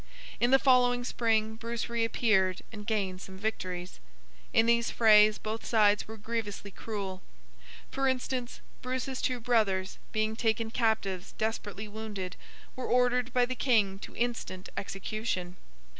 In the following spring, Bruce reappeared and gained some victories. In these frays, both sides were grievously cruel. For instance—Bruce's two brothers, being taken captives desperately wounded, were ordered by the King to instant execution.